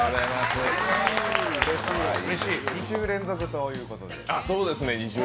うれしい、２週連続ということで。